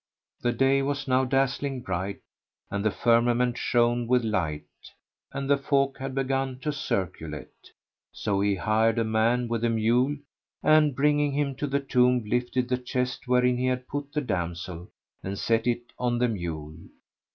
The day was now dazzling bright and the firmament shone with light and the folk had begun to circulate; so he hired a man with a mule and, bringing him to the tomb, lifted the chest wherein he had put the damsel and set it on the mule.